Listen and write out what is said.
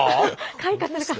開花するかも。